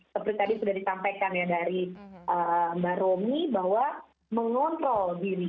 seperti tadi sudah disampaikan ya dari mbak romi bahwa mengontrol diri